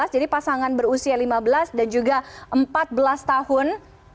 jadi pasangan berusia lima belas dan juga empat belas tahun